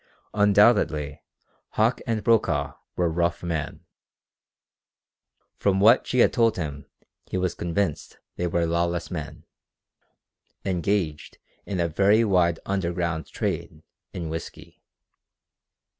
Undoubtedly Hauck and Brokaw were rough men; from what she had told him he was convinced they were lawless men, engaged in a very wide "underground" trade in whisky.